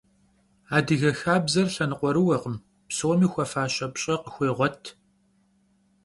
Adıge xabzer lhenıkhuerıuekhım, psomi xuefaşe pş'e khıxuêğuet.